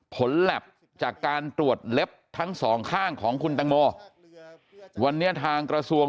แหลบจากการตรวจเล็บทั้งสองข้างของคุณตังโมวันนี้ทางกระทรวง